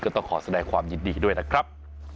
ต้องขอแสดงความยินดีด้วยนะครับ